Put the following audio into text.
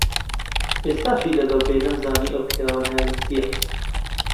ئێستاشی لەگەڵ بێت نەمزانی ئەو پیاوە ناوی چییە.